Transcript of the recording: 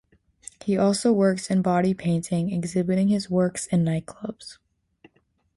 He also works in body painting, exhibiting his works in nightclubs.